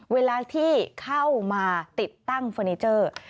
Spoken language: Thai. เวลาที่เข้ามาติดตั้งเฟอร์นิเจอร์